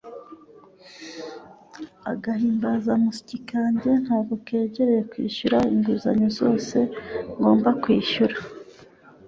Agahimbazamusyi kanjye ntago kegereye kwishyura inguzanyo zose ngomba kwishyura.